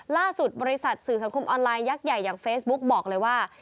ล่าสุดบริษัทสื่อสังคมออนไลน์ยักษ์ใหญ่อย่างเฟซบุ๊กบอกเลยว่า